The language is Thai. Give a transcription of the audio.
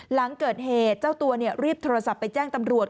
หลังเกิดเหตุเจ้าตัวรีบโทรศัพท์ไปแจ้งตำรวจ